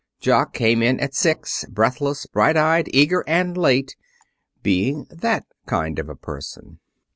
Jock came in at six, breathless, bright eyed, eager, and late, being that kind of a person.